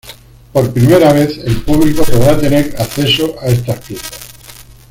Por primera vez el público podrá tener acceso a estas piezas.